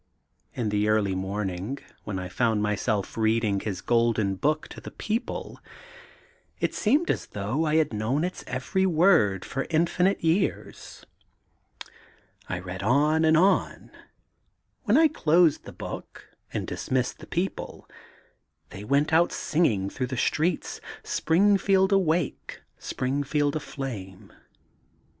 In the late morning, when Tfonnd myself reading his Golden Book to the people it seemed as thongh I had known its every word for infinite years. '^I read on and on. When I closed the book and dismissed the people, they went out sing ing throngh the streets ^Springfield Awake^ Springfield Aflame.'